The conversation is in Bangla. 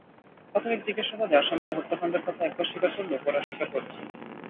প্রাথমিক জিজ্ঞাসাবাদে আসামিরা হত্যাকাণ্ডের কথা একবার স্বীকার করলেও পরে অস্বীকার করছেন।